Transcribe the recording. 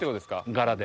柄で。